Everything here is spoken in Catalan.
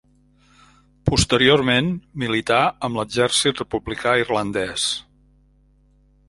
Posteriorment, milità amb l'Exèrcit Republicà Irlandès.